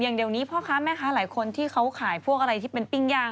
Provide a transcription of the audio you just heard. อย่างเดี๋ยวนี้พ่อค้าแม่ค้าหลายคนที่เขาขายพวกอะไรที่เป็นปิ้งย่าง